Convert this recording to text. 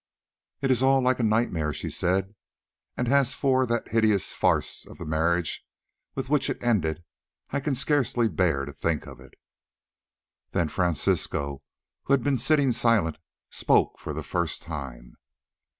"It is all like a nightmare," she said; "and as for that hideous farce of marriage with which it ended, I can scarcely bear to think of it." Then Francisco, who had been sitting silent, spoke for the first time.